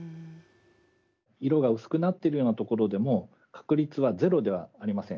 色が薄くなっているようなところでも確率はゼロではありません。